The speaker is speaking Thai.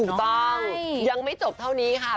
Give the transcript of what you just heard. ถูกต้องยังไม่จบเท่านี้ค่ะ